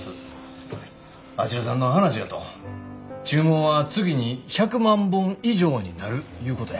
あちらさんの話やと注文は月に１００万本以上になるいうことや。